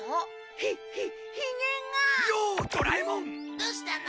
どうしたの？